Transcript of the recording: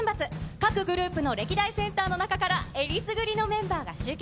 各グループの歴代センターの中から、えりすぐりのメンバーが集結。